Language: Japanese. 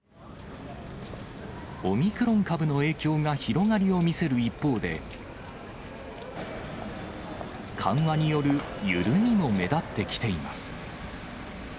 オミクロン株の影響が広がりを見せる一方で、緩和による緩みも目立ってきています。